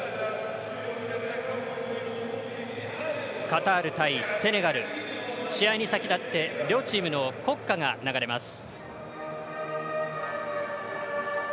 カタール対セネガル試合に先立って両チームの国歌が流れます。